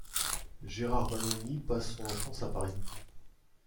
Gérard Mannoni passe son enfance à Paris.